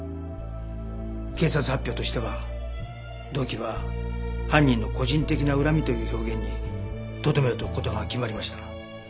警察発表としては動機は犯人の個人的な恨みという表現にとどめておく事が決まりました。